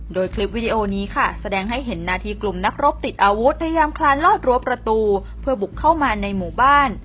โดยคลิปวิดีโอนี้ค่ะแสดงให้เห็นนาทีกลุ่มนักรบติดอาวุธพยายามคลานลอดรั้วประตูเพื่อบุกเข้ามาในหมู่บ้าน